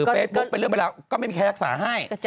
เฟซบุ๊คเป็นเรื่องเวลาก็ไม่มีใครรักษาให้